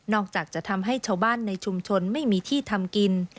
อกจากจะทำให้ชาวบ้านในชุมชนไม่มีที่ทำกิน